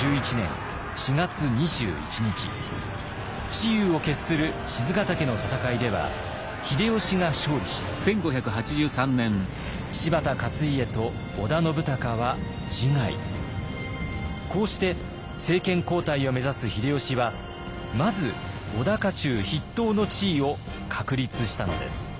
雌雄を決する賤ヶ岳の戦いでは秀吉が勝利しこうして政権交代を目指す秀吉はまず織田家中筆頭の地位を確立したのです。